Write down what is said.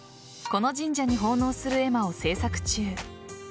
この神社に奉納する絵馬を制作中。